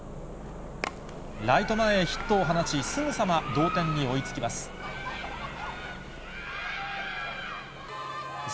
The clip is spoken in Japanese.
ライト前へヒットを放ち、すぐさま同点に追いつきます。